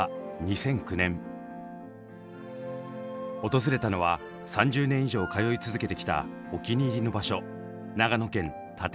訪れたのは３０年以上通い続けてきたお気に入りの場所長野県立科町。